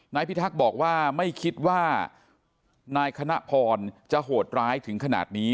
พิทักษ์บอกว่าไม่คิดว่านายคณะพรจะโหดร้ายถึงขนาดนี้